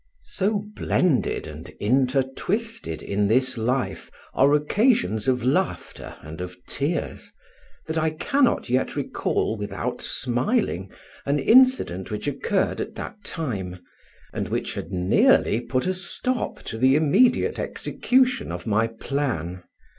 So blended and intertwisted in this life are occasions of laughter and of tears, that I cannot yet recall without smiling an incident which occurred at that time, and which had nearly put a stop to the immediate execution of my plan.